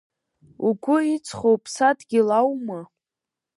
Угәы иҵхо уԥсадгьыл аума?